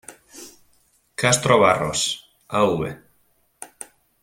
Castro Barros –Av.